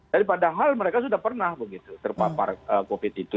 jadi padahal mereka sudah pernah begitu terpapar covid itu